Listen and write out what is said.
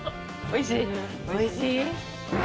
おいしい。